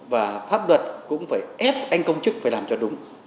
và pháp luật cũng phải ép anh công chức phải làm cho đúng